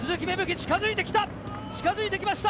近づいてきました！